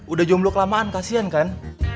udah jomblo kelamaan kasihan kan